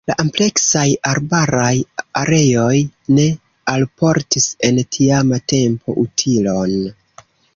La ampleksaj arbaraj areoj ne alportis en tiama tempo utilon.